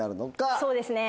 そうですね。